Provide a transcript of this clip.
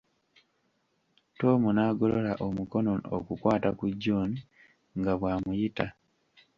Tom n'agolola omukono okukwata ku John nga bw'amuyita.